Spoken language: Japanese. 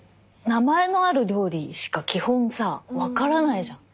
名前のある料理しか基本さわからないじゃん。